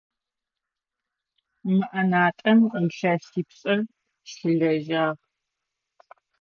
Мы ӏэнатӏэм илъэсипшӏэ щылэжьагъ.